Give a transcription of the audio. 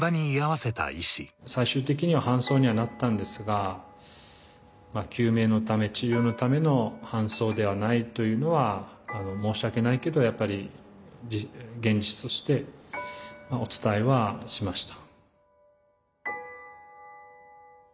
最終的には搬送にはなったんですが救命のため治療のための搬送ではないというのは申し訳ないけどやっぱり現実としてお伝えはしました。